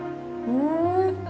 うん。